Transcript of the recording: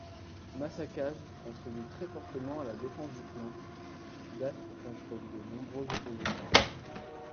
Masakage contribue très fortement à la défense du clan Date contre de nombreuses oppositions.